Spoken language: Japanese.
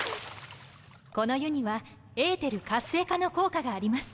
この湯にはエーテル活性化の効果があります。